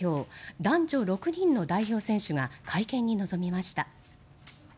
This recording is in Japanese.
男女６人の代表選手が会見に臨みました。